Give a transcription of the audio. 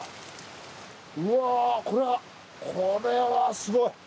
うわこれはこれはすごい！